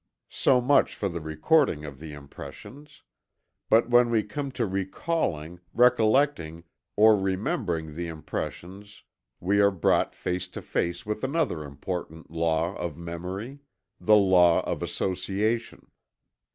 So much for the recording of the impressions. But when we come to recalling, recollecting or remembering the impressions we are brought face to face with another important law of memory the law of Association.